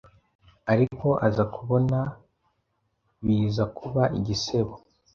Ariko aza kubona biza kuba igisebo